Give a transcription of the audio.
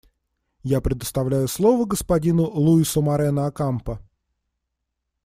Я предоставляю слово господину Луису Морено-Окампо.